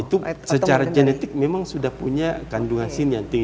itu secara genetik memang sudah punya kandungan sim yang tinggi